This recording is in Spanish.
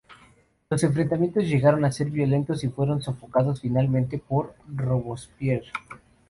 Los enfrentamientos llegaron a ser violentos y fueron sofocados finalmente por Robespierre.